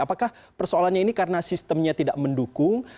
apakah persoalannya ini karena sistemnya tidak mendukung